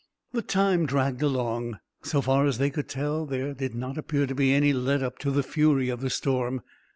The time dragged along. So far as they could tell, there did not appear to be any let up to the fury of the storm.